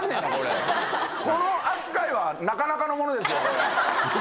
この扱いはなかなかのものですよこれ。